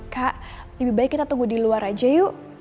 kak lebih baik kita tunggu di luar aja yuk